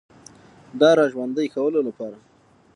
د را ژوندۍ کولو لپاره